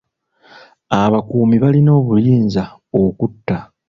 Abakuumi balina obuyinza okutta.